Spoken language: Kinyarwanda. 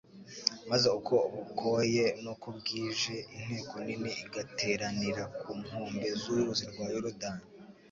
maze uko bukoye nuko bwije inteko nini igateranira ku nkombe z'uruzi rwa Yorodani'.